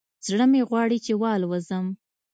زړه مې غواړي چې والوزم